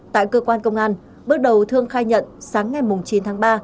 tại cơ quan công an bước đầu thương khai nhận sáng ngày chín tháng ba